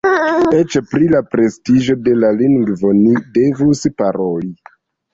Eĉ pri la prestiĝo de la lingvo ni devus paroli.